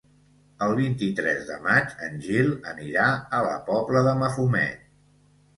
El vint-i-tres de maig en Gil anirà a la Pobla de Mafumet.